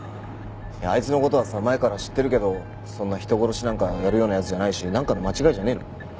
あいつの事はさ前から知ってるけどそんな人殺しなんかやるような奴じゃないしなんかの間違いじゃねえの？